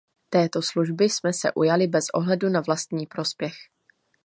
Této služby jsme se ujali bez ohledu na vlastní prospěch.